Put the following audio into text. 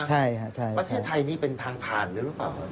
ใช่ประเทศไทยนี่เป็นทางผ่านหรือเปล่า